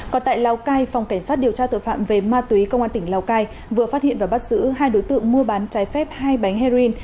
còn tại lào cai phòng cảnh sát điều tra tội phạm về ma túy công an tỉnh lào cai vừa phát hiện và bắt giữ hai đối tượng mua bán trái phép hai bánh heroin